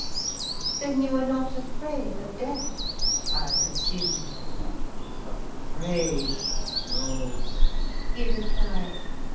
"Then you are not afraid of death?" I pursued. "Afraid? No!" he replied.